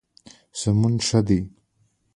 سمون ښه دی.